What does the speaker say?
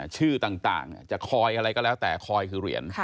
ชื่อต่างจะคอยอะไรก็แล้วแต่คอยคือเหรียญ